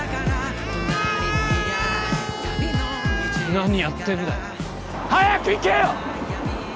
何やってんだよ早く行けよ！